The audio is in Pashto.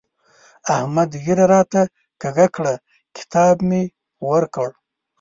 احمد ږيره راته کږه کړه؛ کتاب مې ورکړ.